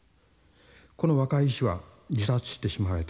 この若い医師は自殺してしまわれた。